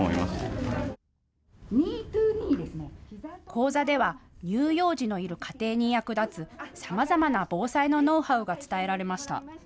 講座では乳幼児のいる家庭に役立つさまざまな防災のノウハウが伝えられました。